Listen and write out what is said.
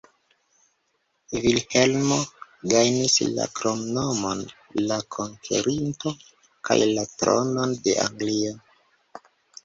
Vilhelmo gajnis la kromnomon "la Konkerinto" kaj la tronon de Anglio.